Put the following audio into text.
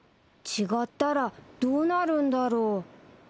違ったらどうなるんだろう